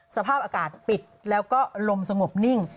สภาพอากาศปิดแล้วก็ลมสงบนิ่ง